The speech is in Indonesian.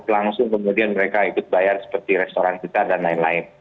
langsung kemudian mereka ikut bayar seperti restoran kita dan lain lain